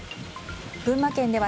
群馬県では